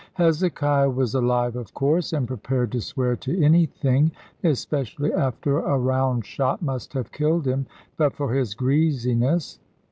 Hezekiah was alive, of course, and prepared to swear to anything, especially after a round shot must have killed him, but for his greasiness.